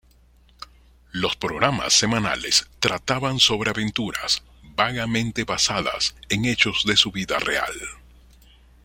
Los programas semanales trataban sobre aventuras vagamente basadas en hechos de su vida real.